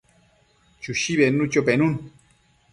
Chushi bednucho penun